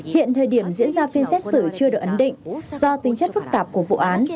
hiện thời điểm diễn ra phiên xét xử chưa được ấn định do tính chất phức tạp của vụ án